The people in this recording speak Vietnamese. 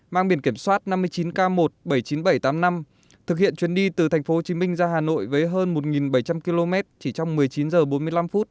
mang biển kiểm soát năm mươi chín k một bảy mươi chín nghìn bảy trăm tám mươi năm thực hiện chuyến đi từ tp hcm ra hà nội với hơn một bảy trăm linh km chỉ trong một mươi chín h bốn mươi năm